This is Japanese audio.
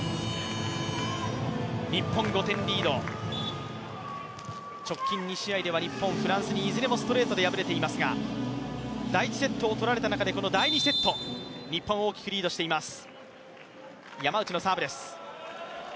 日本５点リード、直近２試合では日本はフランスにいずれもストレートで敗れていますが第１セットを取られた中で第２セット、日本は大きくリードしています。